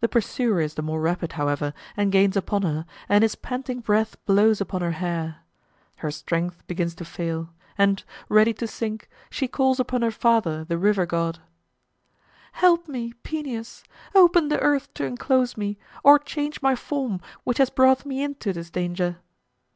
The pursuer is the more rapid, however, and gains upon her, and his panting breath blows upon her hair. Her strength begins to fail, and, ready to sink, she calls upon her father, the river god: "Help me, Peneus! open the earth to enclose me, or change my form, which has brought me into this danger!"